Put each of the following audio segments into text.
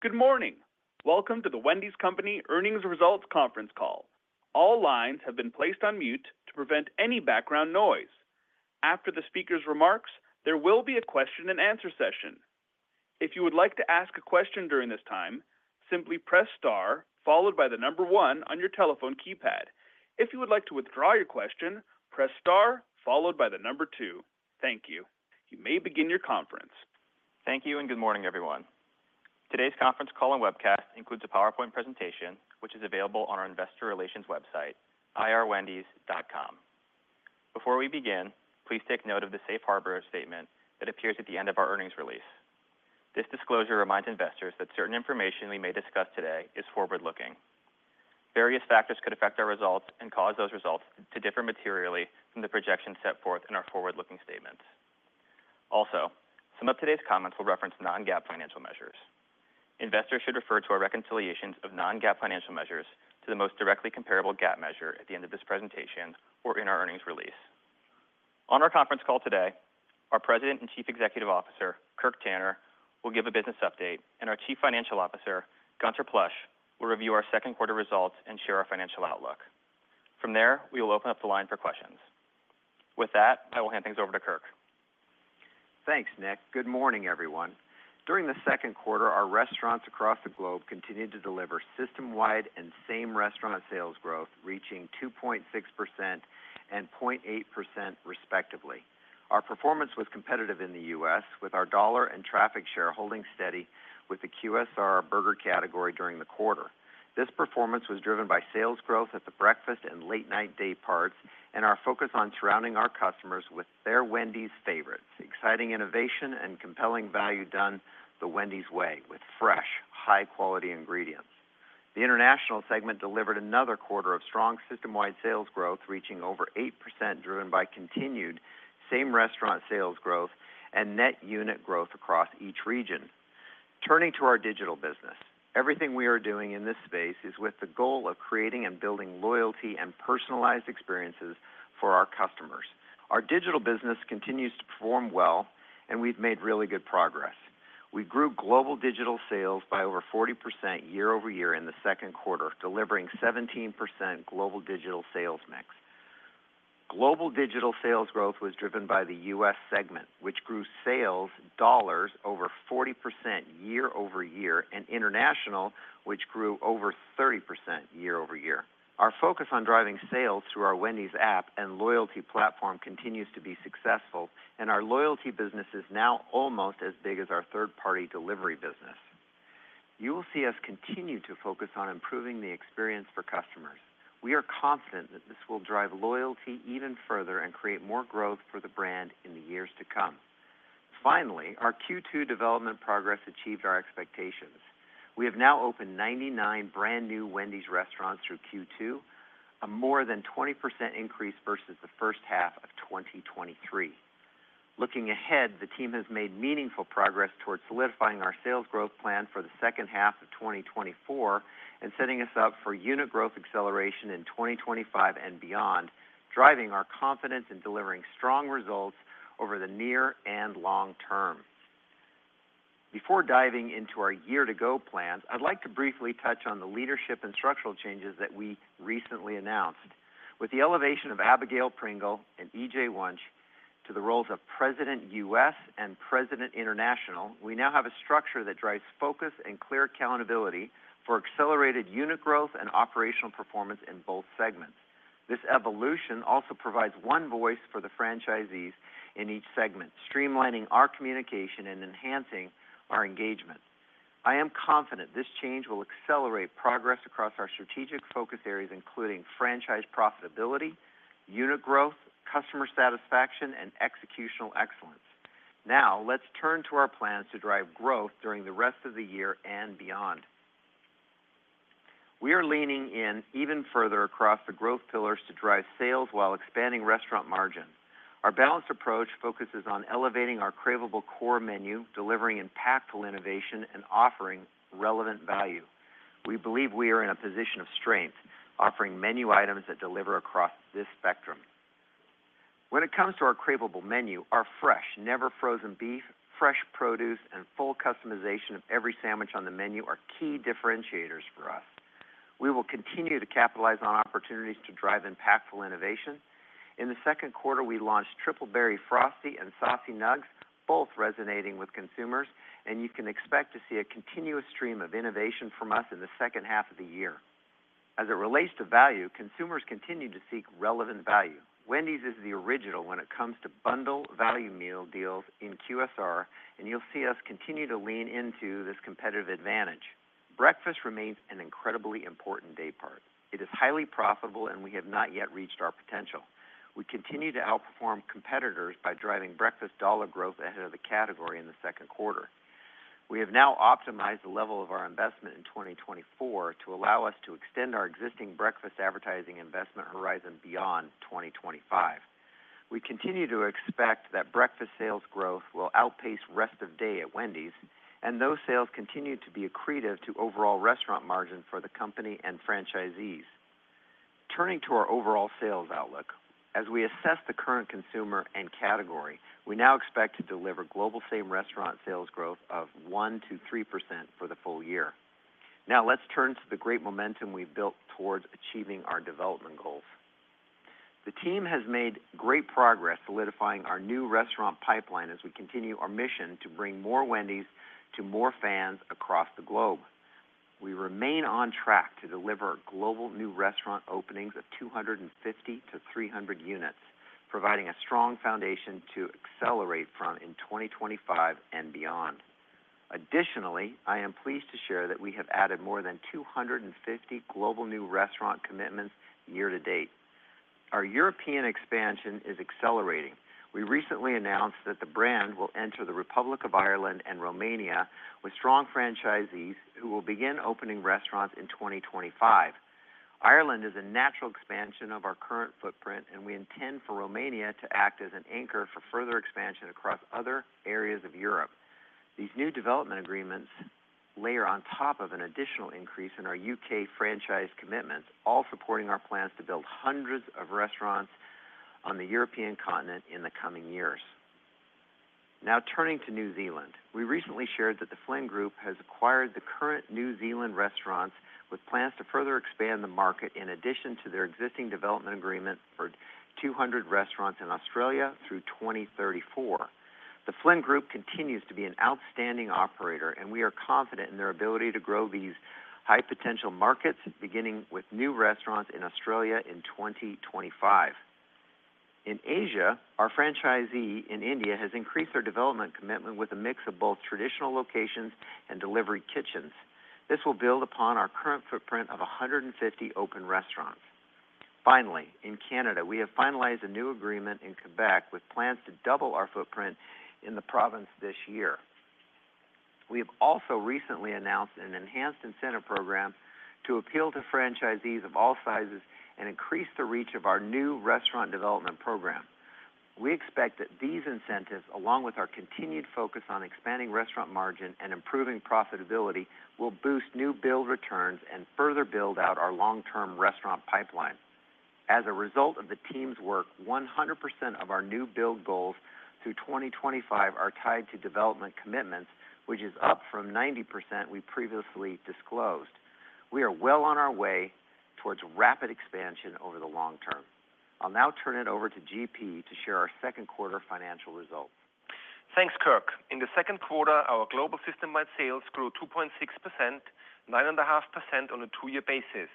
Good morning. Welcome to The Wendy's Company earnings results conference call. All lines have been placed on mute to prevent any background noise. After the speaker's remarks, there will be a question-and-answer session. If you would like to ask a question during this time, simply press star followed by the number one on your telephone keypad. If you would like to withdraw your question, press star followed by the number two. Thank you. You may begin your conference. Thank you and good morning, everyone. Today's conference call and webcast includes a PowerPoint presentation, which is available on our Investor Relations website, irwendys.com. Before we begin, please take note of the safe harbor statement that appears at the end of our earnings release. This disclosure reminds investors that certain information we may discuss today is forward-looking. Various factors could affect our results and cause those results to differ materially from the projections set forth in our forward-looking statements. Also, some of today's comments will reference non-GAAP financial measures. Investors should refer to our reconciliations of non-GAAP financial measures to the most directly comparable GAAP measure at the end of this presentation or in our earnings release. On our conference call today, our President and Chief Executive Officer, Kirk Tanner, will give a business update, and our Chief Financial Officer, Gunther Plosch, will review our second quarter results and share our financial outlook. From there, we will open up the line for questions. With that, I will hand things over to Kirk. Thanks, Nick. Good morning, everyone. During the second quarter, our restaurants across the globe continued to deliver system-wide and same restaurant sales growth, reaching 2.6% and 0.8%, respectively. Our performance was competitive in the U.S., with our dollar and traffic share holding steady with the QSR burger category during the quarter. This performance was driven by sales growth at the breakfast and late-night day parts, and our focus on surrounding our customers with their Wendy's favorites. Exciting innovation and compelling value done the Wendy's way, with fresh, high-quality ingredients. The international segment delivered another quarter of strong system-wide sales growth, reaching over 8%, driven by continued same restaurant sales growth and net unit growth across each region. Turning to our digital business, everything we are doing in this space is with the goal of creating and building loyalty and personalized experiences for our customers. Our digital business continues to perform well, and we've made really good progress. We grew global digital sales by over 40% year-over-year in the second quarter, delivering 17% global digital sales mix. Global digital sales growth was driven by the U.S. segment, which grew sales dollars over 40% year-over-year, and international, which grew over 30% year-over-year. Our focus on driving sales through our Wendy's App and loyalty platform continues to be successful, and our loyalty business is now almost as big as our third-party delivery business. You will see us continue to focus on improving the experience for customers. We are confident that this will drive loyalty even further and create more growth for the brand in the years to come. Finally, our Q2 development progress achieved our expectations. We have now opened 99 brand new Wendy's restaurants through Q2, a more than 20% increase versus the first half of 2023. Looking ahead, the team has made meaningful progress towards solidifying our sales growth plan for the second half of 2024 and setting us up for unit growth acceleration in 2025 and beyond, driving our confidence in delivering strong results over the near and long term. Before diving into our year-to-go plans, I'd like to briefly touch on the leadership and structural changes that we recently announced. With the elevation of Abigail Pringle and E.J. Wunsch to the roles of President U.S. and President International, we now have a structure that drives focus and clear accountability for accelerated unit growth and operational performance in both segments. This evolution also provides one voice for the franchisees in each segment, streamlining our communication and enhancing our engagement. I am confident this change will accelerate progress across our strategic focus areas, including franchise profitability, unit growth, customer satisfaction, and executional excellence. Now, let's turn to our plans to drive growth during the rest of the year and beyond. We are leaning in even further across the growth pillars to drive sales while expanding restaurant margin. Our balanced approach focuses on elevating our craveable core menu, delivering impactful innovation, and offering relevant value. We believe we are in a position of strength, offering menu items that deliver across this spectrum. When it comes to our craveable menu, our fresh, never-frozen beef, fresh produce, and full customization of every sandwich on the menu are key differentiators for us. We will continue to capitalize on opportunities to drive impactful innovation. In the second quarter, we launched Triple Berry Frosty and Saucy Nuggs, both resonating with consumers, and you can expect to see a continuous stream of innovation from us in the second half of the year. As it relates to value, consumers continue to seek relevant value. Wendy's is the original when it comes to bundle value meal deals in QSR, and you'll see us continue to lean into this competitive advantage. Breakfast remains an incredibly important day part. It is highly profitable, and we have not yet reached our potential. We continue to outperform competitors by driving breakfast dollar growth ahead of the category in the second quarter. We have now optimized the level of our investment in 2024 to allow us to extend our existing breakfast advertising investment horizon beyond 2025. We continue to expect that breakfast sales growth will outpace rest of day at Wendy's, and those sales continue to be accretive to overall restaurant margin for the company and franchisees. Turning to our overall sales outlook, as we assess the current consumer and category, we now expect to deliver global same restaurant sales growth of 1%-3% for the full year. Now, let's turn to the great momentum we've built towards achieving our development goals. The team has made great progress solidifying our new restaurant pipeline as we continue our mission to bring more Wendy's to more fans across the globe. We remain on track to deliver global new restaurant openings of 250-300 units, providing a strong foundation to accelerate from in 2025 and beyond. Additionally, I am pleased to share that we have added more than 250 global new restaurant commitments year to date. Our European expansion is accelerating. We recently announced that the brand will enter the Republic of Ireland and Romania with strong franchisees who will begin opening restaurants in 2025. Ireland is a natural expansion of our current footprint, and we intend for Romania to act as an anchor for further expansion across other areas of Europe. These new development agreements layer on top of an additional increase in our U.K. franchise commitments, all supporting our plans to build hundreds of restaurants on the European continent in the coming years. Now, turning to New Zealand, we recently shared that the Flynn Group has acquired the current New Zealand restaurants with plans to further expand the market in addition to their existing development agreement for 200 restaurants in Australia through 2034. The Flynn Group continues to be an outstanding operator, and we are confident in their ability to grow these high-potential markets, beginning with new restaurants in Australia in 2025. In Asia, our franchisee in India has increased their development commitment with a mix of both traditional locations and delivery kitchens. This will build upon our current footprint of 150 open restaurants. Finally, in Canada, we have finalized a new agreement in Quebec with plans to double our footprint in the province this year. We have also recently announced an enhanced incentive program to appeal to franchisees of all sizes and increase the reach of our new restaurant development program. We expect that these incentives, along with our continued focus on expanding restaurant margin and improving profitability, will boost new build returns and further build out our long-term restaurant pipeline. As a result of the team's work, 100% of our new build goals through 2025 are tied to development commitments, which is up from 90% we previously disclosed. We are well on our way towards rapid expansion over the long term. I'll now turn it over to G.P. to share our second quarter financial results. Thanks, Kirk. In the second quarter, our global system-wide sales grew 2.6%, 9.5% on a 2-year basis,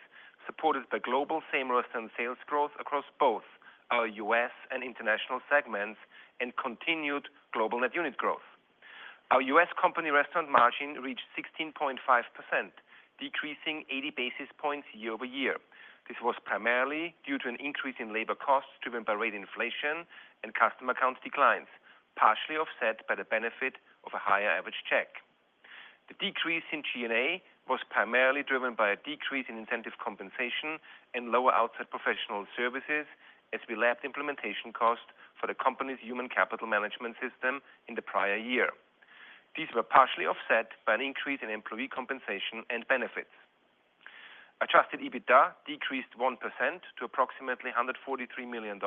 supported by global same restaurant sales growth across both our U.S. and international segments and continued global net unit growth. Our U.S. company restaurant margin reached 16.5%, decreasing 80 basis points year-over-year. This was primarily due to an increase in labor costs driven by rate inflation and customer accounts declines, partially offset by the benefit of a higher average check. The decrease in G&A was primarily driven by a decrease in incentive compensation and lower outside professional services as we lapped implementation costs for the company's Human Capital Management System in the prior year. These were partially offset by an increase in employee compensation and benefits. Adjusted EBITDA decreased 1% to approximately $143 million,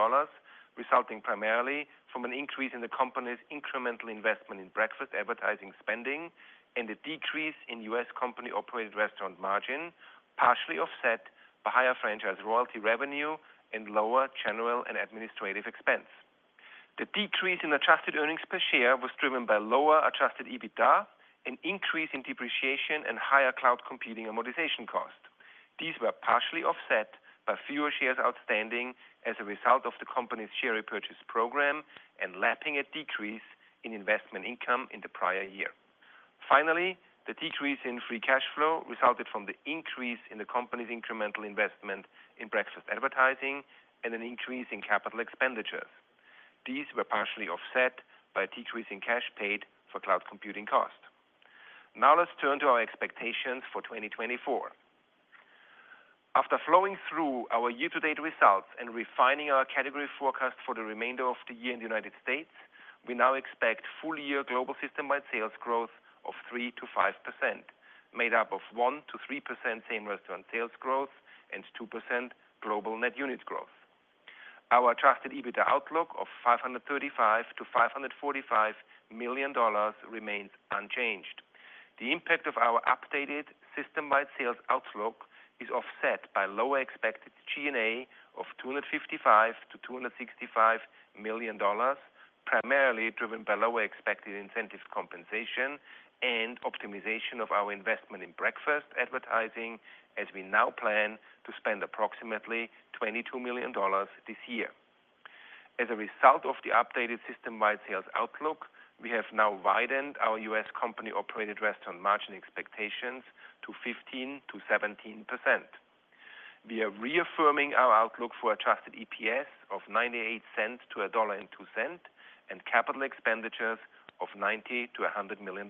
resulting primarily from an increase in the company's incremental investment in breakfast advertising spending and a decrease in U.S. company-operated restaurant margin, partially offset by higher franchise royalty revenue and lower general and administrative expense. The decrease in adjusted earnings per share was driven by lower Adjusted EBITDA, an increase in depreciation, and higher cloud computing amortization costs. These were partially offset by fewer shares outstanding as a result of the company's share repurchase program and lapping a decrease in investment income in the prior year. Finally, the decrease in free cash flow resulted from the increase in the company's incremental investment in breakfast advertising and an increase in capital expenditures. These were partially offset by a decrease in cash paid for cloud computing costs. Now, let's turn to our expectations for 2024. After flowing through our year-to-date results and refining our category forecast for the remainder of the year in the United States, we now expect full-year global system-wide sales growth of 3%-5%, made up of 1%-3% same restaurant sales growth and 2% global net unit growth. Our Adjusted EBITDA outlook of $535 million-$545 million remains unchanged. The impact of our updated system-wide sales outlook is offset by lower expected G&A of $255 million-$265 million, primarily driven by lower expected incentive compensation and optimization of our investment in breakfast advertising, as we now plan to spend approximately $22 million this year. As a result of the updated system-wide sales outlook, we have now widened our U.S. company-operated restaurant margin expectations to 15%-17%. We are reaffirming our outlook for Adjusted EPS of $0.98 to $1.02 and capital expenditures of $90 million-$100 million.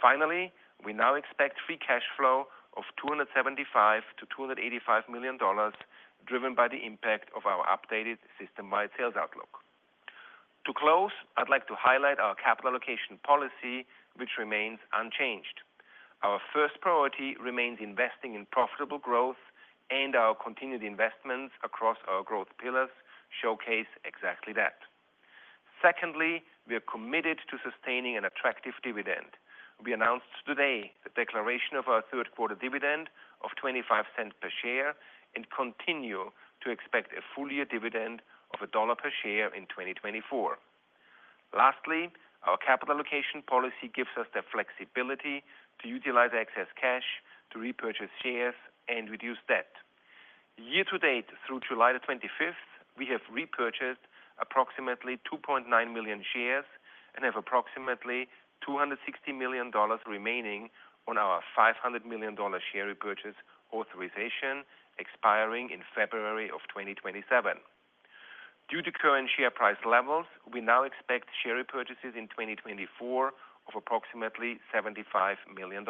Finally, we now expect free cash flow of $275 million-$285 million, driven by the impact of our updated system-wide sales outlook. To close, I'd like to highlight our capital allocation policy, which remains unchanged. Our first priority remains investing in profitable growth, and our continued investments across our growth pillars showcase exactly that. Secondly, we are committed to sustaining an attractive dividend. We announced today the declaration of our third-quarter dividend of $0.25 per share and continue to expect a full-year dividend of $1 per share in 2024. Lastly, our capital allocation policy gives us the flexibility to utilize excess cash to repurchase shares and reduce debt. Year-to-date through July 25th, we have repurchased approximately 2.9 million shares and have approximately $260 million remaining on our $500 million share repurchase authorization expiring in February of 2027. Due to current share price levels, we now expect share repurchases in 2024 of approximately $75 million.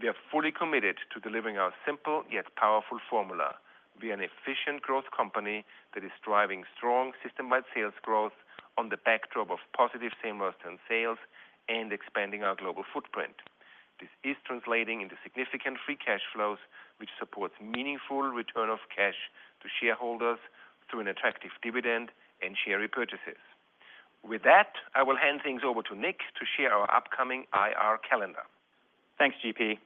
We are fully committed to delivering our simple yet powerful formula. We are an efficient growth company that is driving strong system-wide sales growth on the backdrop of positive same restaurant sales and expanding our global footprint. This is translating into significant free cash flows, which supports meaningful return of cash to shareholders through an attractive dividend and share repurchases. With that, I will hand things over to Nick to share our upcoming IR calendar. Thanks, GP.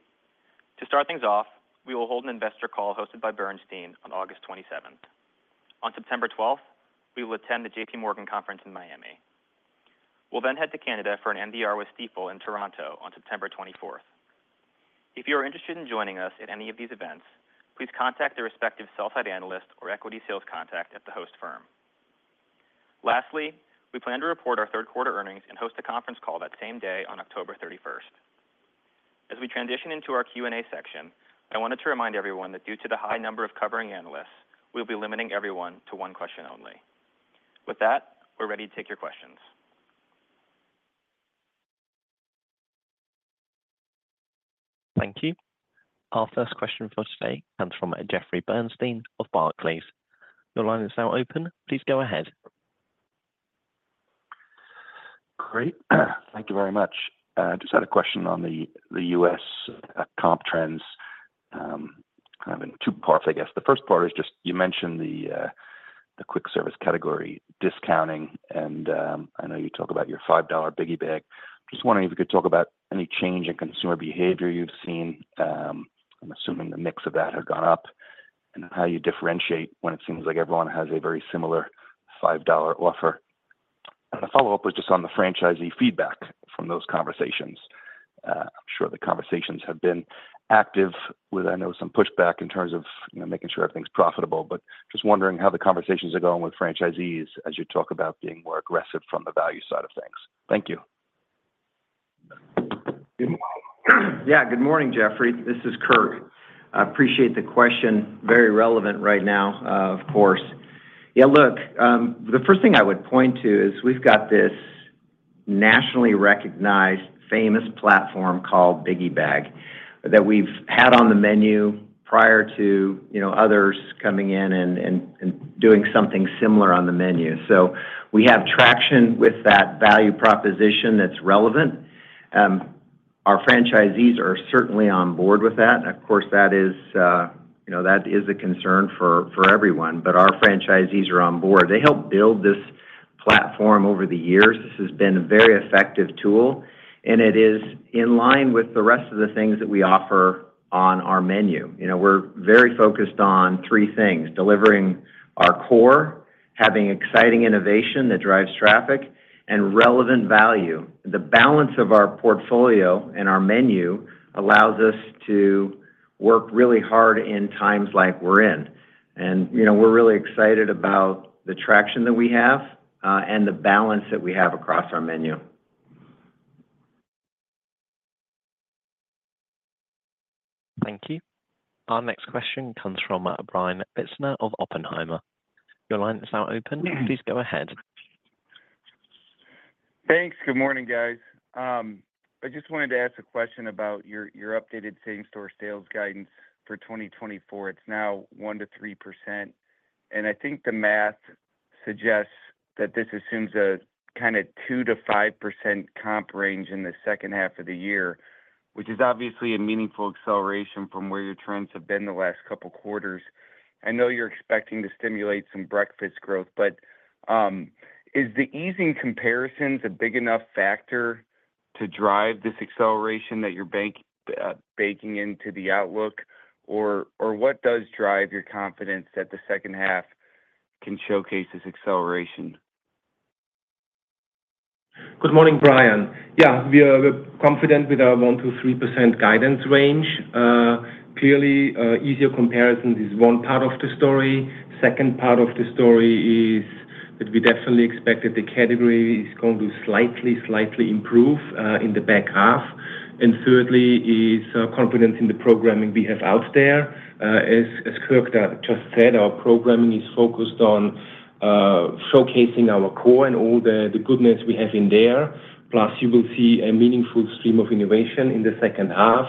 To start things off, we will hold an investor call hosted by Bernstein on August 27th. On September 12th, we will attend the JPMorgan Conference in Miami. We'll then head to Canada for an NDR with Stifel in Toronto on September 24th. If you are interested in joining us at any of these events, please contact the respective sell-side analyst or equity sales contact at the host firm. Lastly, we plan to report our third-quarter earnings and host a conference call that same day on October 31st. As we transition into our Q&A section, I wanted to remind everyone that due to the high number of covering analysts, we'll be limiting everyone to one question only. With that, we're ready to take your questions. Thank you. Our first question for today comes from Jeffrey Bernstein of Barclays. Your line is now open. Please go ahead. Great. Thank you very much. I just had a question on the U.S. comp trends kind of in two parts, I guess. The first part is just you mentioned the quick service category discounting, and I know you talk about your $5 Biggie Bag. Just wondering if you could talk about any change in consumer behavior you've seen. I'm assuming the mix of that has gone up and how you differentiate when it seems like everyone has a very similar $5 offer. And the follow-up was just on the franchisee feedback from those conversations. I'm sure the conversations have been active with, I know, some pushback in terms of making sure everything's profitable, but just wondering how the conversations are going with franchisees as you talk about being more aggressive from the value side of things. Thank you. Yeah, good morning, Jeffrey. This is Kirk. I appreciate the question. Very relevant right now, of course. Yeah, look, the first thing I would point to is we've got this nationally recognized, famous platform called Biggie Bag that we've had on the menu prior to others coming in and doing something similar on the menu. So we have traction with that value proposition that's relevant. Our franchisees are certainly on board with that. Of course, that is a concern for everyone, but our franchisees are on board. They helped build this platform over the years. This has been a very effective tool, and it is in line with the rest of the things that we offer on our menu. We're very focused on three things: delivering our core, having exciting innovation that drives traffic, and relevant value. The balance of our portfolio and our menu allows us to work really hard in times like we're in. We're really excited about the traction that we have and the balance that we have across our menu. Thank you. Our next question comes from Brian Bittner of Oppenheimer. Your line is now open. Please go ahead. Thanks. Good morning, guys. I just wanted to ask a question about your updated same-store sales guidance for 2024. It's now 1%-3%. I think the math suggests that this assumes a kind of 2%-5% comp range in the second half of the year, which is obviously a meaningful acceleration from where your trends have been the last couple of quarters. I know you're expecting to stimulate some breakfast growth, but is the easing comparisons a big enough factor to drive this acceleration that you're banking into the outlook? Or what does drive your confidence that the second half can showcase this acceleration? Good morning, Brian. Yeah, we are confident with our 1%-3% guidance range. Clearly, easier comparisons is one part of the story. Second part of the story is that we definitely expect that the category is going to slightly, slightly improve in the back half. And thirdly is confidence in the programming we have out there. As Kirk just said, our programming is focused on showcasing our core and all the goodness we have in there. Plus, you will see a meaningful stream of innovation in the second half.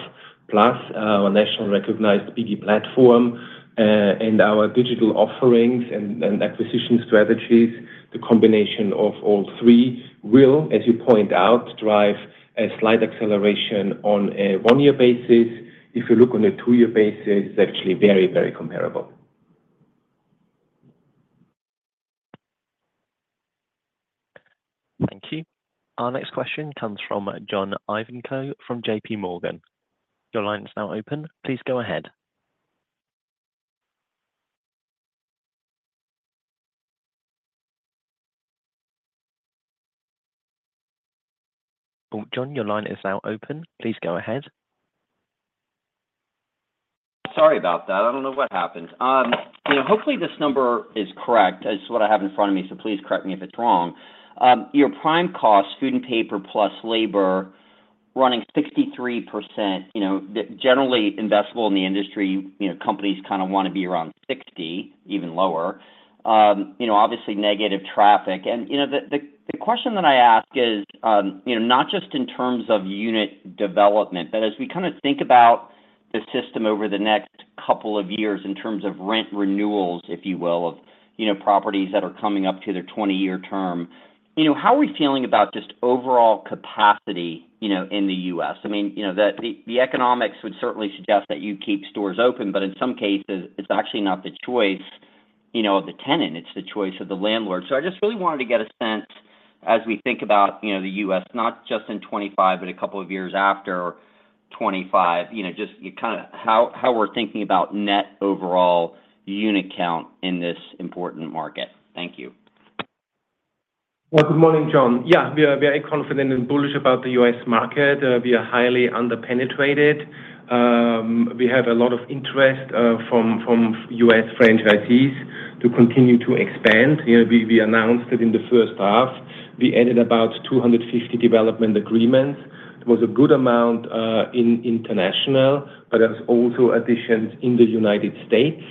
Plus, our nationally recognized Biggie Bag platform and our digital offerings and acquisition strategies, the combination of all three will, as you point out, drive a slight acceleration on a one-year basis. If you look on a two-year basis, it's actually very, very comparable. Thank you. Our next question comes from John Ivankoe from JPMorgan. Your line is now open. Please go ahead. John, your line is now open. Please go ahead. Sorry about that. I don't know what happened. Hopefully, this number is correct. It's what I have in front of me, so please correct me if it's wrong. Your prime cost, food and paper plus labor, running 63%, generally investable in the industry. Companies kind of want to be around 60, even lower. Obviously, negative traffic. And the question that I ask is not just in terms of unit development, but as we kind of think about the system over the next couple of years in terms of rent renewals, if you will, of properties that are coming up to their 20-year term, how are we feeling about just overall capacity in the U.S.? I mean, the economics would certainly suggest that you keep stores open, but in some cases, it's actually not the choice of the tenant. It's the choice of the landlord. So I just really wanted to get a sense as we think about the U.S., not just in 2025, but a couple of years after 2025, just kind of how we're thinking about net overall unit count in this important market. Thank you. Well, good morning, John. Yeah, we are very confident and bullish about the U.S. market. We are highly under-penetrated. We have a lot of interest from U.S. franchisees to continue to expand. We announced it in the first half. We added about 250 development agreements. There was a good amount in international, but there's also additions in the United States.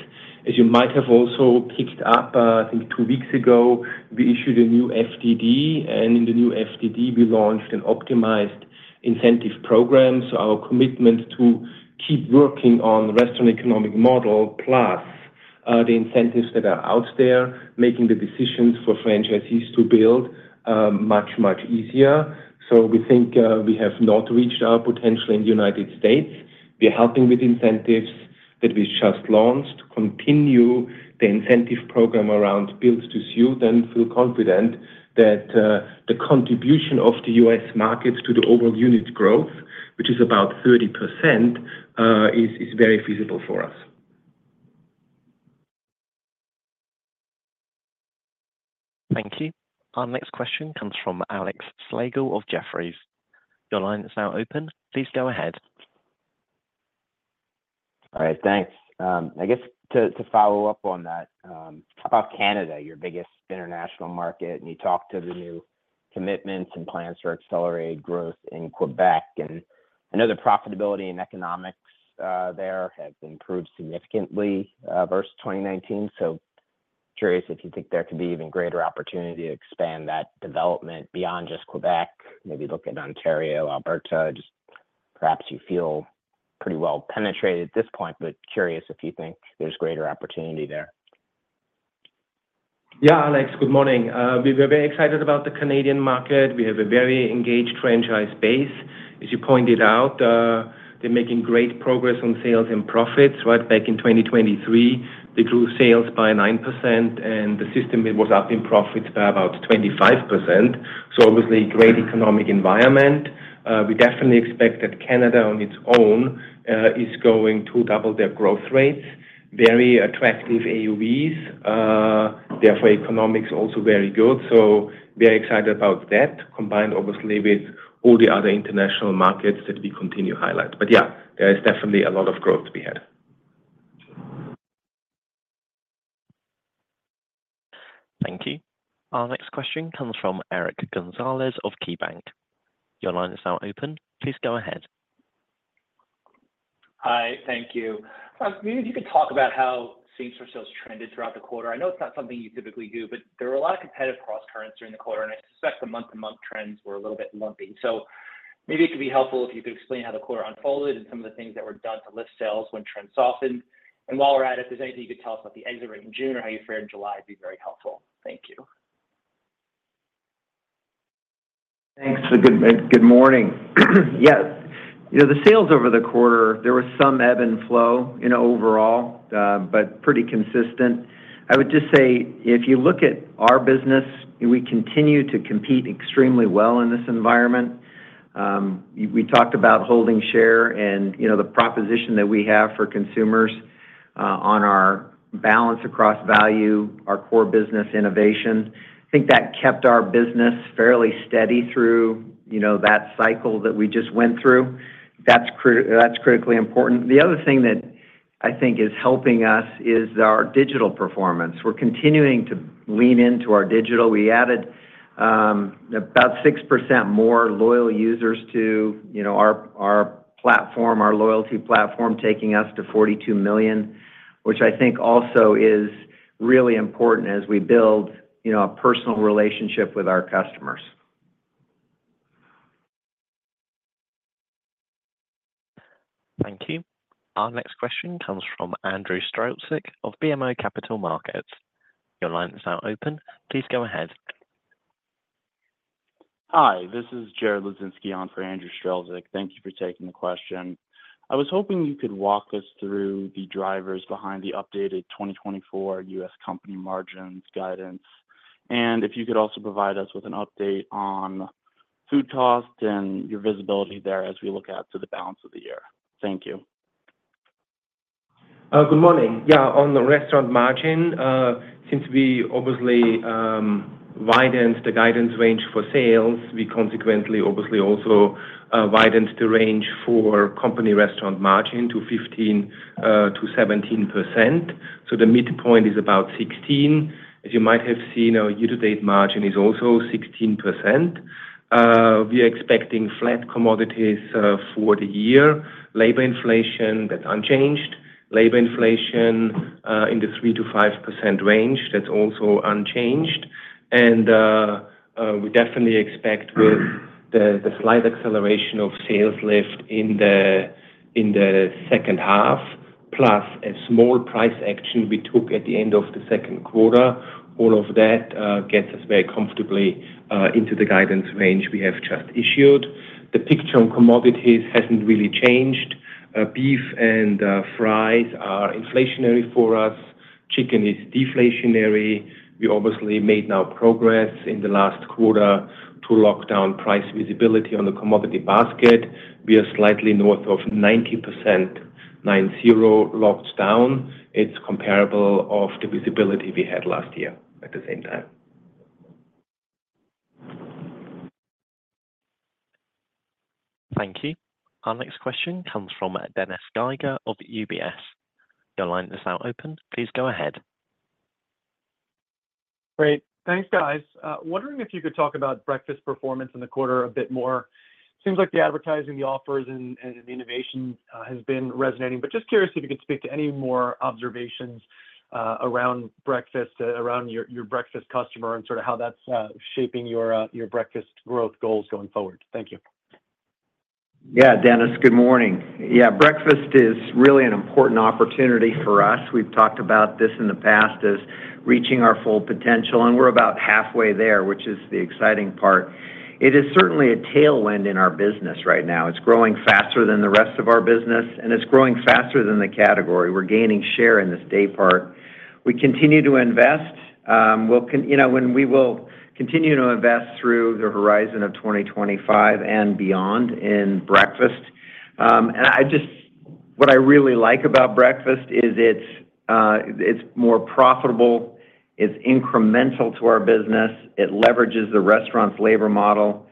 As you might have also picked up, I think two weeks ago, we issued a new FDD, and in the new FDD, we launched an optimized incentive program. So our commitment to keep working on the restaurant economic model plus the incentives that are out there making the decisions for franchisees to build much, much easier. So we think we have not reached our potential in the United States. We are helping with incentives that we just launched to continue the incentive program around build to suit and feel confident that the contribution of the U.S. market to the overall unit growth, which is about 30%, is very feasible for us. Thank you. Our next question comes from Alex Slagle of Jefferies. Your line is now open. Please go ahead. All right, thanks. I guess to follow up on that, how about Canada? Your biggest international market, and you talked to the new commitments and plans for accelerated growth in Quebec. And I know the profitability and economics there have improved significantly versus 2019. So curious if you think there could be even greater opportunity to expand that development beyond just Quebec, maybe look at Ontario, Alberta. Just perhaps you feel pretty well-penetrated at this point, but curious if you think there's greater opportunity there. Yeah, Alex, good morning. We're very excited about the Canadian market. We have a very engaged franchise base. As you pointed out, they're making great progress on sales and profits. Right back in 2023, they grew sales by 9%, and the system was up in profits by about 25%. So obviously, great economic environment. We definitely expect that Canada on its own is going to double their growth rates. Very attractive AUVs. Therefore, economics also very good. So we're excited about that, combined obviously with all the other international markets that we continue to highlight. But yeah, there is definitely a lot of growth to be had. Thank you. Our next question comes from Eric Gonzalez of KeyBanc. Your line is now open. Please go ahead. Hi, thank you. Maybe if you could talk about how same-store sales trended throughout the quarter? I know it's not something you typically do, but there were a lot of competitive cross-currents during the quarter, and I suspect the month-to-month trends were a little bit lumpy. So maybe it could be helpful if you could explain how the quarter unfolded and some of the things that were done to lift sales when trends softened? And while we're at it, if there's anything you could tell us about the exit rate in June or how you fared in July, it'd be very helpful. Thank you. Thanks. Good morning. Yeah, the sales over the quarter, there was some ebb and flow overall, but pretty consistent. I would just say if you look at our business, we continue to compete extremely well in this environment. We talked about holding share and the proposition that we have for consumers on our balance across value, our core business innovation. I think that kept our business fairly steady through that cycle that we just went through. That's critically important. The other thing that I think is helping us is our digital performance. We're continuing to lean into our digital. We added about 6% more loyal users to our platform, our loyalty platform, taking us to 42 million, which I think also is really important as we build a personal relationship with our customers. Thank you. Our next question comes from Andrew Strelzik of BMO Capital Markets. Your line is now open. Please go ahead. Hi, this is Jared Hludzinski on for Andrew Strelzik. Thank you for taking the question. I was hoping you could walk us through the drivers behind the updated 2024 U.S. company margins guidance, and if you could also provide us with an update on food cost and your visibility there as we look out to the balance of the year. Thank you. Good morning. Yeah, on the restaurant margin, since we obviously widened the guidance range for sales, we consequently obviously also widened the range for company restaurant margin to 15%-17%. So the midpoint is about 16%. As you might have seen, our year-to-date margin is also 16%. We are expecting flat commodities for the year. Labor inflation, that's unchanged. Labor inflation in the 3%-5% range, that's also unchanged. And we definitely expect with the slight acceleration of sales lift in the second half, plus a small price action we took at the end of the second quarter, all of that gets us very comfortably into the guidance range we have just issued. The picture on commodities hasn't really changed. Beef and fries are inflationary for us. Chicken is deflationary. We obviously made no progress in the last quarter to lock down price visibility on the commodity basket. We are slightly north of 90%, nine zero locked down. It's comparable to the visibility we had last year at the same time. Thank you. Our next question comes from Dennis Geiger of UBS. Your line is now open. Please go ahead. Great. Thanks, guys. Wondering if you could talk about breakfast performance in the quarter a bit more. Seems like the advertising, the offers, and the innovation has been resonating, but just curious if you could speak to any more observations around breakfast, around your breakfast customer, and sort of how that's shaping your breakfast growth goals going forward. Thank you. Yeah, Dennis, good morning. Yeah, breakfast is really an important opportunity for us. We've talked about this in the past as reaching our full potential, and we're about halfway there, which is the exciting part. It is certainly a tailwind in our business right now. It's growing faster than the rest of our business, and it's growing faster than the category. We're gaining share in this day part. We continue to invest. We'll continue to invest when we will continue to invest through the horizon of 2025 and beyond in breakfast. And what I really like about breakfast is it's more profitable. It's incremental to our business. It leverages the restaurant's labor model,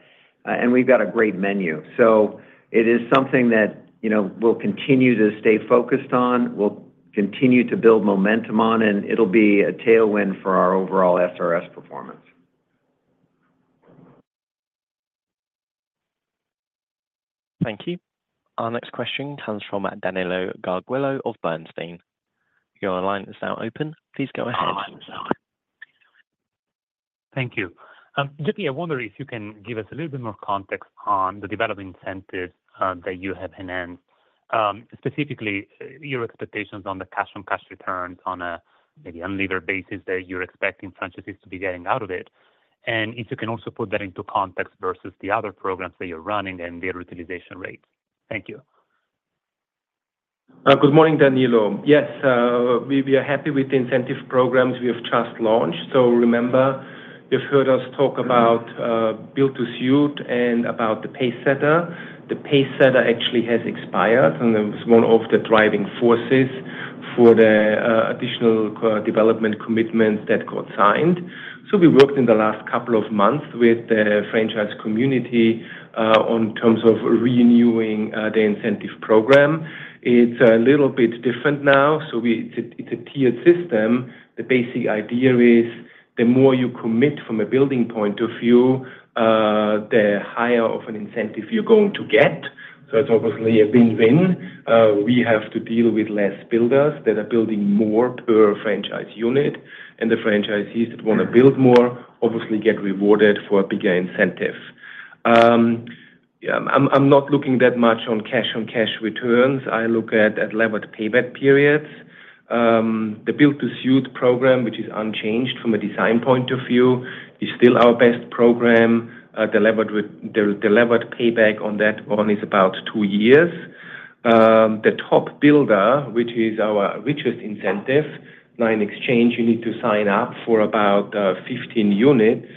and we've got a great menu. So it is something that we'll continue to stay focused on, we'll continue to build momentum on, and it'll be a tailwind for our overall SRS performance. Thank you. Our next question comes from Danilo Gargiulo of Bernstein. Your line is now open. Please go ahead. Thank you. Just wondering if you can give us a little bit more context on the development incentives that you have enhanced, specifically your expectations on the cash-on-cash returns on a maybe unlever basis that you're expecting franchisees to be getting out of it? And if you can also put that into context versus the other programs that you're running and their utilization rates? Thank you. Good morning, Danilo. Yes, we are happy with the incentive programs we have just launched. So remember, you've heard us talk about Build-to-Suit and about the Pacesetter. The Pacesetter actually has expired, and it was one of the driving forces for the additional development commitments that got signed. So we worked in the last couple of months with the franchise community on terms of renewing the incentive program. It's a little bit different now. So it's a tiered system. The basic idea is the more you commit from a building point of view, the higher of an incentive you're going to get. So it's obviously a win-win. We have to deal with less builders that are building more per franchise unit, and the franchisees that want to build more obviously get rewarded for a bigger incentive. I'm not looking that much on cash-on-cash returns. I look at levered payback periods. The Build-to-Suit program, which is unchanged from a design point of view, is still our best program. The levered payback on that one is about two years. The top builder, which is our richest incentive, line exchange, you need to sign up for about 15 units.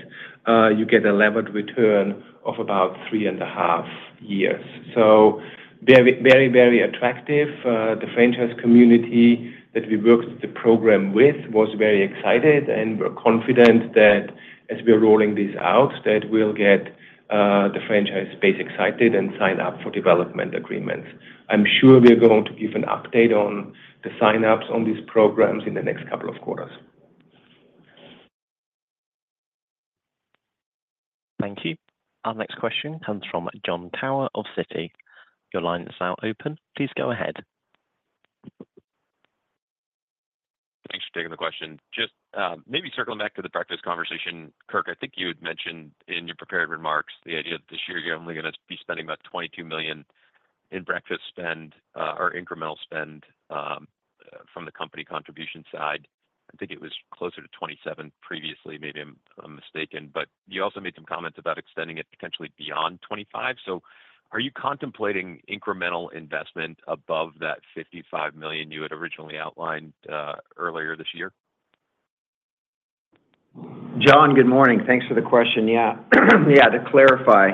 You get a levered return of about 3.5 years. So very, very, very attractive. The franchise community that we worked the program with was very excited, and we're confident that as we're rolling this out, that we'll get the franchise space excited and sign up for development agreements. I'm sure we're going to give an update on the sign-ups on these programs in the next couple of quarters. Thank you. Our next question comes from Jon Tower of Citi. Your line is now open. Please go ahead. Thanks for taking the question. Just maybe circling back to the breakfast conversation, Kirk, I think you had mentioned in your prepared remarks the idea that this year you're only going to be spending about $22 million in breakfast spend or incremental spend from the company contribution side. I think it was closer to 27 previously, maybe I'm mistaken, but you also made some comments about extending it potentially beyond 25. So are you contemplating incremental investment above that $55 million you had originally outlined earlier this year? Jon, good morning. Thanks for the question. Yeah, yeah, to clarify,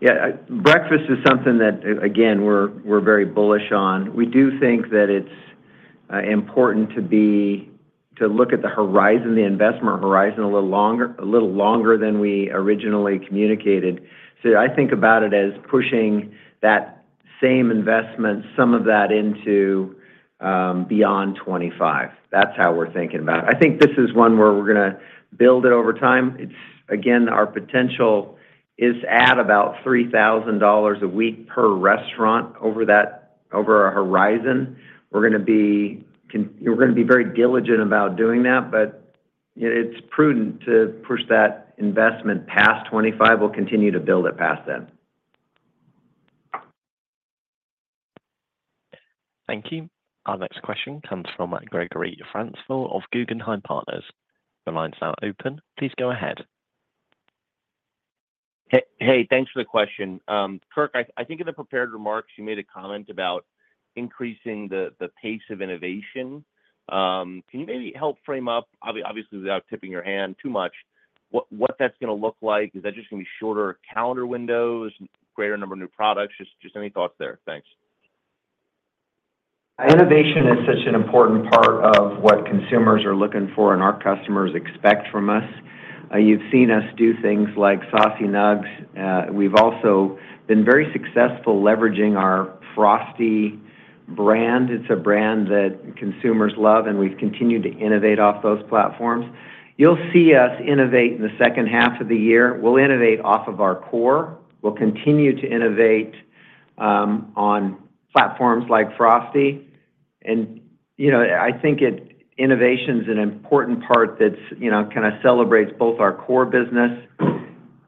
yeah, breakfast is something that, again, we're very bullish on. We do think that it's important to look at the horizon, the investment horizon a little longer than we originally communicated. So I think about it as pushing that same investment, some of that into beyond 2025. That's how we're thinking about it. I think this is one where we're going to build it over time. Again, our potential is at about $3,000 a week per restaurant over a horizon. We're going to be very diligent about doing that, but it's prudent to push that investment past 2025. We'll continue to build it past then. Thank you. Our next question comes from Gregory Francfort of Guggenheim Partners. Your line is now open. Please go ahead. Hey, thanks for the question. Kirk, I think in the prepared remarks, you made a comment about increasing the pace of innovation. Can you maybe help frame up, obviously without tipping your hand too much, what that's going to look like? Is that just going to be shorter calendar windows, greater number of new products? Just any thoughts there? Thanks. Innovation is such an important part of what consumers are looking for and our customers expect from us. You've seen us do things like Saucy Nuggs. We've also been very successful leveraging our Frosty brand. It's a brand that consumers love, and we've continued to innovate off those platforms. You'll see us innovate in the second half of the year. We'll innovate off of our core. We'll continue to innovate on platforms like Frosty. And I think innovation is an important part that kind of celebrates both our core business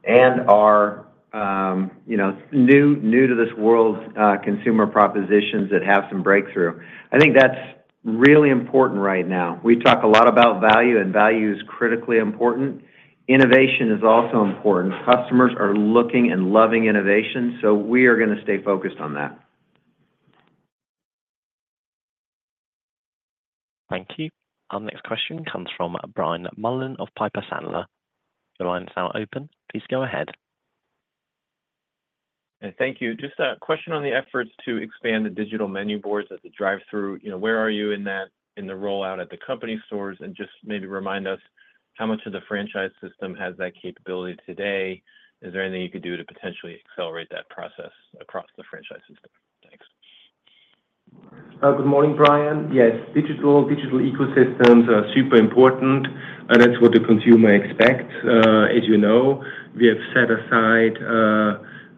and our new-to-this-world consumer propositions that have some breakthrough. I think that's really important right now. We talk a lot about value, and value is critically important. Innovation is also important. Customers are looking and loving innovation, so we are going to stay focused on that. Thank you. Our next question comes from Brian Mullan of Piper Sandler. Your line is now open. Please go ahead. Thank you. Just a question on the efforts to expand the digital menu boards at the drive-thru. Where are you in that, in the rollout at the company stores? And just maybe remind us how much of the franchise system has that capability today? Is there anything you could do to potentially accelerate that process across the franchise system? Thanks. Good morning, Brian. Yes, digital ecosystems are super important. That's what the consumer expects. As you know, we have set aside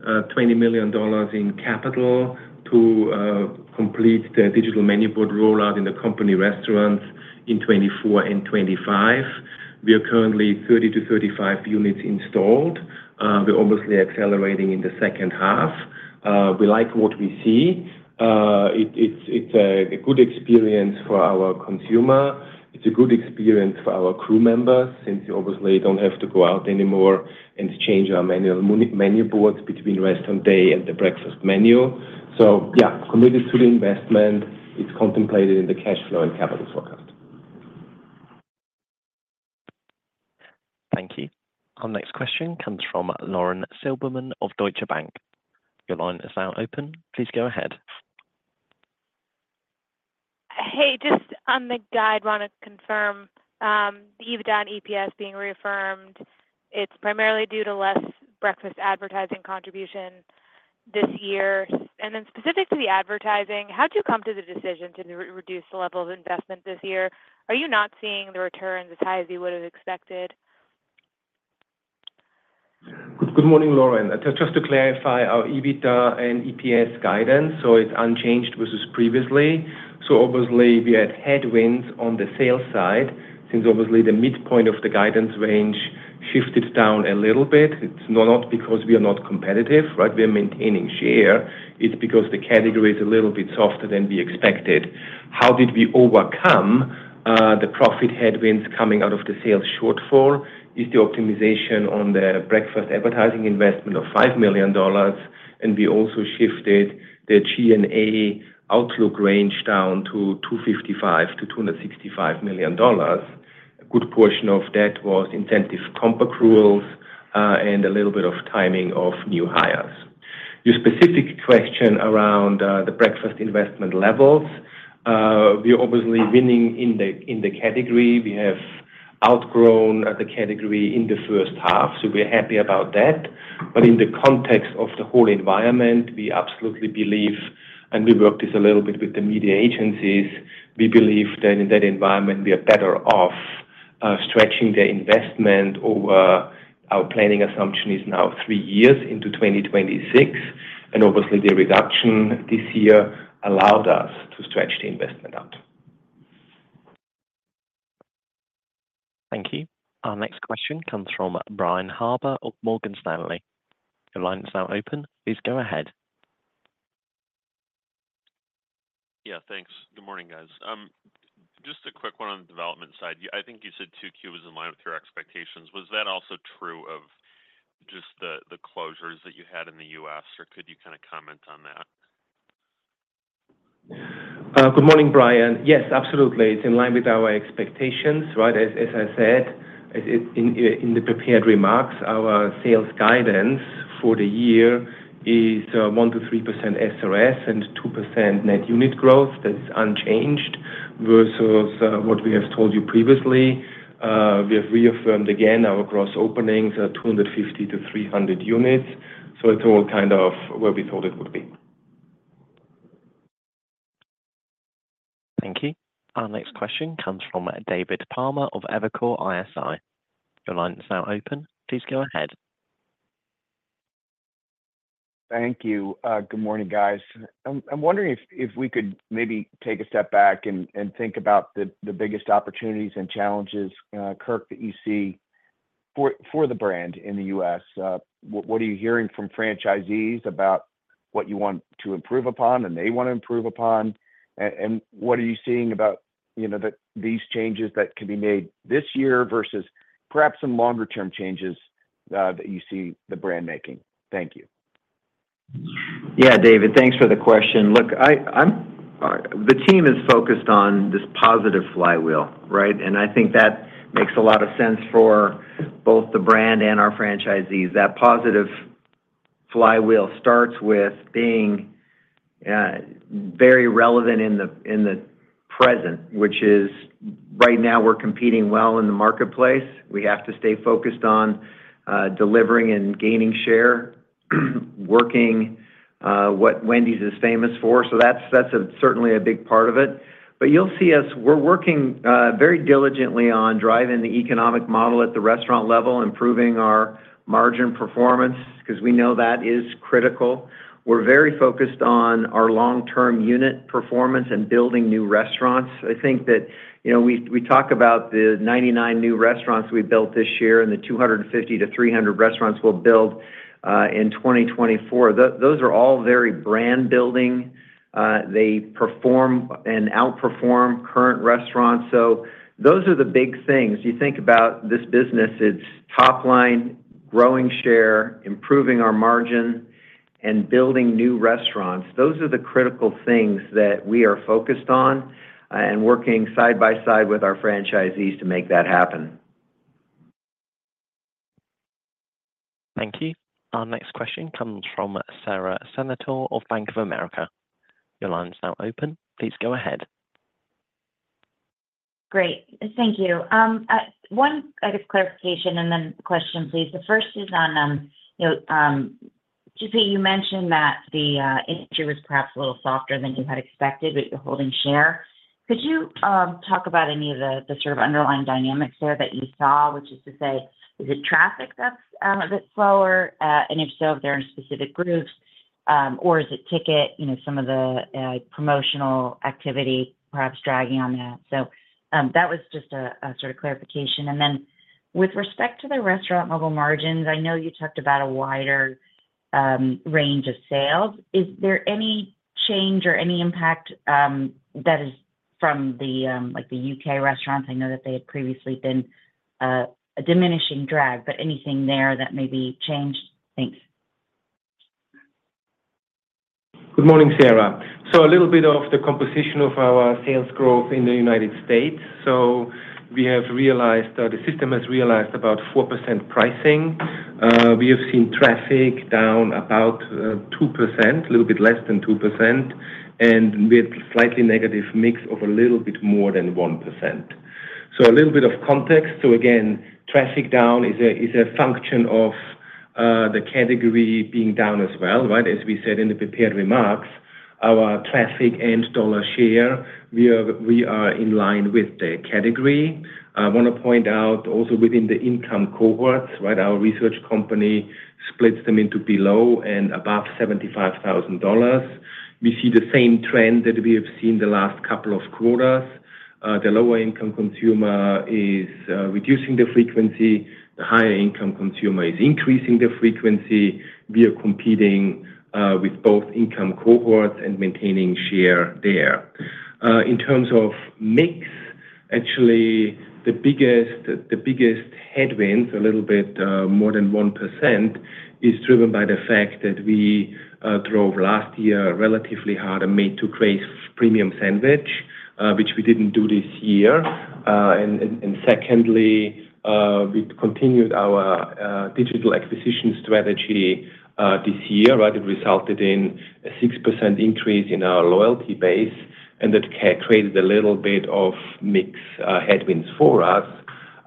$20 million in capital to complete the digital menu board rollout in the company restaurants in 2024 and 2025. We are currently 30-35 units installed. We're obviously accelerating in the second half. We like what we see. It's a good experience for our consumer. It's a good experience for our crew members since we obviously don't have to go out anymore and change our menu boards between restaurant day and the breakfast menu. So yeah, committed to the investment. It's contemplated in the cash flow and capital forecast. Thank you. Our next question comes from Lauren Silberman of Deutsche Bank. Your line is now open. Please go ahead. Hey, just on the guide, want to confirm the Adjusted EPS being reaffirmed. It's primarily due to less breakfast advertising contribution this year. And then specific to the advertising, how did you come to the decision to reduce the level of investment this year? Are you not seeing the returns as high as you would have expected? Good morning, Lauren. Just to clarify, our EBITDA and EPS guidance, so it's unchanged versus previously. So obviously, we had headwinds on the sales side since obviously the midpoint of the guidance range shifted down a little bit. It's not because we are not competitive, right? We are maintaining share. It's because the category is a little bit softer than we expected. How did we overcome the profit headwinds coming out of the sales shortfall? It's the optimization on the breakfast advertising investment of $5 million, and we also shifted the G&A outlook range down to $255 million-$265 million. A good portion of that was incentive comp accruals and a little bit of timing of new hires. Your specific question around the breakfast investment levels, we're obviously winning in the category. We have outgrown the category in the first half, so we're happy about that. But in the context of the whole environment, we absolutely believe, and we worked this a little bit with the media agencies, we believe that in that environment, we are better off stretching the investment over. Our planning assumption is now three years into 2026. And obviously, the reduction this year allowed us to stretch the investment out. Thank you. Our next question comes from Brian Harbour of Morgan Stanley. Your line is now open. Please go ahead. Yeah, thanks. Good morning, guys. Just a quick one on the development side. I think you said 2Q was in line with your expectations. Was that also true of just the closures that you had in the U.S., or could you kind of comment on that? Good morning, Brian. Yes, absolutely. It's in line with our expectations, right? As I said in the prepared remarks, our sales guidance for the year is 1%-3% SRS and 2% net unit growth. That's unchanged versus what we have told you previously. We have reaffirmed again our gross openings at 250-300 units. So it's all kind of where we thought it would be. Thank you. Our next question comes from David Palmer of Evercore ISI. Your line is now open. Please go ahead. Thank you. Good morning, guys. I'm wondering if we could maybe take a step back and think about the biggest opportunities and challenges, Kirk, that you see for the brand in the U.S. What are you hearing from franchisees about what you want to improve upon and they want to improve upon? What are you seeing about these changes that can be made this year versus perhaps some longer-term changes that you see the brand making? Thank you. Yeah, David, thanks for the question. Look, the team is focused on this positive flywheel, right? And I think that makes a lot of sense for both the brand and our franchisees. That positive flywheel starts with being very relevant in the present, which is right now we're competing well in the marketplace. We have to stay focused on delivering and gaining share, working what Wendy's is famous for. So that's certainly a big part of it. But you'll see us, we're working very diligently on driving the economic model at the restaurant level, improving our margin performance because we know that is critical. We're very focused on our long-term unit performance and building new restaurants. I think that we talk about the 99 new restaurants we built this year and the 250-300 restaurants we'll build in 2024. Those are all very brand-building. They perform and outperform current restaurants. So those are the big things. You think about this business, its top line, growing share, improving our margin, and building new restaurants. Those are the critical things that we are focused on and working side by side with our franchisees to make that happen. Thank you. Our next question comes from Sara Senatore of Bank of America. Your line is now open. Please go ahead. Great. Thank you. One clarification and then question, please. The first is on just that you mentioned that the industry was perhaps a little softer than you had expected, but you're holding share. Could you talk about any of the sort of underlying dynamics there that you saw, which is to say, is it traffic that's a bit slower? And if so, if there are specific groups, or is it ticket, some of the promotional activity perhaps dragging on that? So that was just a sort of clarification. And then with respect to the restaurant-level margins, I know you talked about a wider range of sales. Is there any change or any impact that is from the U.K. restaurants? I know that they had previously been a diminishing drag, but anything there that may be changed? Thanks. Good morning, Sara. So a little bit of the composition of our sales growth in the United States. So we have realized that the system has realized about 4% pricing. We have seen traffic down about 2%, a little bit less than 2%, and with slightly negative mix of a little bit more than 1%. So a little bit of context. So again, traffic down is a function of the category being down as well, right? As we said in the prepared remarks, our traffic and dollar share, we are in line with the category. I want to point out also within the income cohorts, right? Our research company splits them into below and above $75,000. We see the same trend that we have seen the last couple of quarters. The lower-income consumer is reducing the frequency. The higher-income consumer is increasing the frequency. We are competing with both income cohorts and maintaining share there. In terms of mix, actually, the biggest headwinds, a little bit more than 1%, is driven by the fact that we drove last year relatively hard and Made to Crave a premium sandwich, which we didn't do this year. And secondly, we continued our digital acquisition strategy this year, right? It resulted in a 6% increase in our loyalty base, and that created a little bit of mix headwinds for us.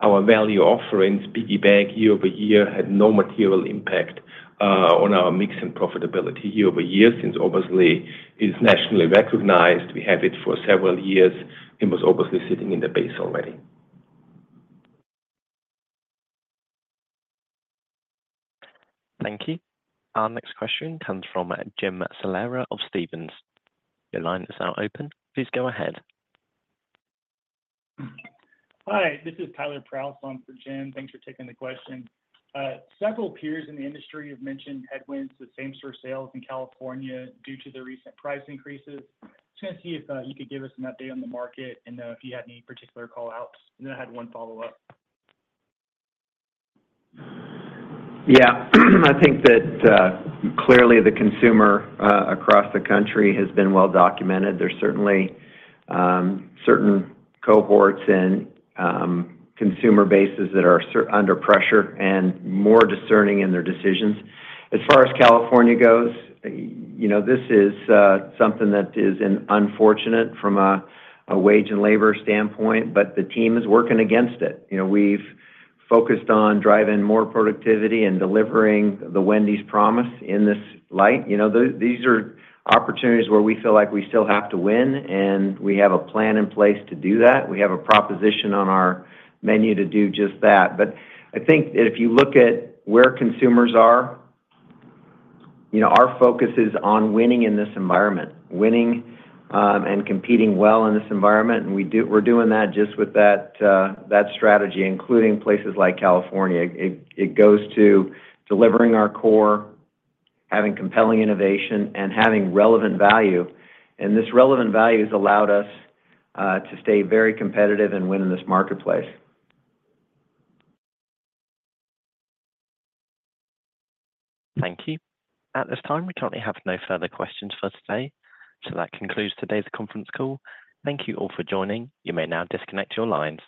Our value offerings, Biggie Bag year-over-year, had no material impact on our mix and profitability year-over-year since obviously it is nationally recognized. We have it for several years. It was obviously sitting in the base already. Thank you. Our next question comes from Jim Salera of Stephens. Your line is now open. Please go ahead. Hi, this is [Tyler Prow] on for Jim. Thanks for taking the question. Several peers in the industry have mentioned headwinds to the same sort of sales in California due to the recent price increases. Just going to see if you could give us an update on the market and if you had any particular callouts. And then I had one follow-up. Yeah. I think that clearly the consumer across the country has been well documented. There's certainly certain cohorts and consumer bases that are under pressure and more discerning in their decisions. As far as California goes, this is something that is unfortunate from a wage and labor standpoint, but the team is working against it. We've focused on driving more productivity and delivering the Wendy's promise in this light. These are opportunities where we feel like we still have to win, and we have a plan in place to do that. We have a proposition on our menu to do just that. But I think that if you look at where consumers are, our focus is on winning in this environment, winning and competing well in this environment. We're doing that just with that strategy, including places like California. It goes to delivering our core, having compelling innovation, and having relevant value. This relevant value has allowed us to stay very competitive and win in this marketplace. Thank you. At this time, we currently have no further questions for today. So that concludes today's conference call. Thank you all for joining. You may now disconnect your lines.